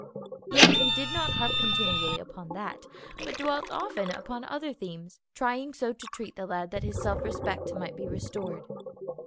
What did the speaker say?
Yet he did not harp continually upon that, but dwelt often upon other themes, trying so to treat the lad that his self respect might be restored.